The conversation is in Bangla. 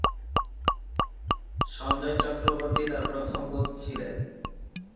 সঞ্জয় চক্রবর্তী তাঁর প্রথম কোচ ছিলেন।